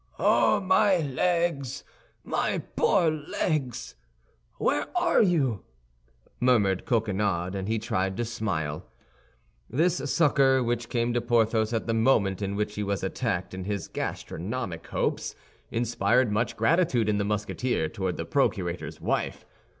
"Oh, my legs, my poor legs! where are you?" murmured Coquenard, and he tried to smile. This succor, which came to Porthos at the moment in which he was attacked in his gastronomic hopes, inspired much gratitude in the Musketeer toward the procurator's wife.